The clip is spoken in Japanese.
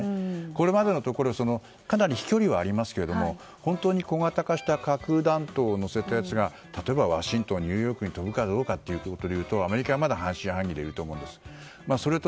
これまでのところかなり飛距離はありますが本当に小型化した核弾頭を載せたものが例えばワシントンニューヨークに飛ぶかというとアメリカはまだ半信半疑でいると思います。